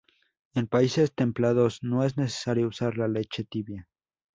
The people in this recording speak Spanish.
En países templados no es necesario usar la leche tibia.